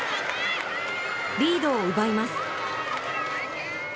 リードを奪います。